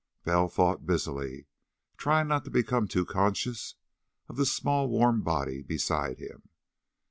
Bell thought busily, trying not to become too conscious of the small warm body beside him.